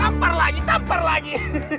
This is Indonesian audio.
tampar lagi tampar lagi